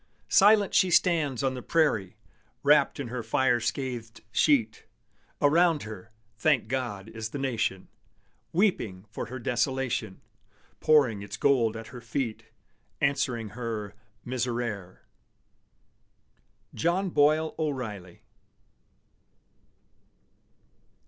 Silent she stands on the prairie, Wrapped in her fire scathed sheet: Around her, thank God, is the Nation, Weeping for her desolation, Pouring its gold at her feet, Answering her "Miserere!" JOHN BOYLE O'REILLY.